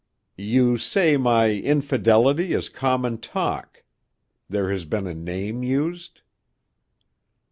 "You say my infidelity is common talk. There has been a name used?"